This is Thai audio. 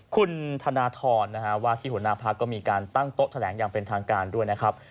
คุณธนทรนะฮะว่าที่หัวหน้าพักก็มีการตั้งโต๊ะแถลงอย่างเป็นทางการด้วยนะครับ